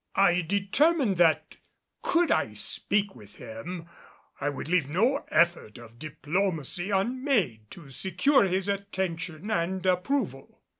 I determined that could I speak with him I would leave no effort of diplomacy unmade to secure his attention and approval.